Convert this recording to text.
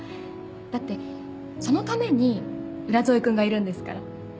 だってそのために浦添君がいるんですから。